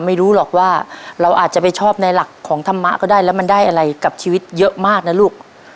ไม่รู้หรอกว่าเราอาจจะไปชอบในหลักของธรรมะก็ได้แล้วมันได้อะไรกับชีวิตเยอะมากนะลูก